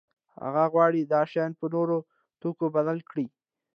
هغه غواړي دا شیان په نورو توکو بدل کړي.